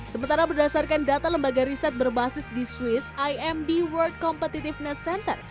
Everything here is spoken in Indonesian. sementara berdasarkan data lembaga riset berbasis di swiss imd world competitiveness center